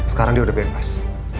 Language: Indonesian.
sekarang dia udah bebas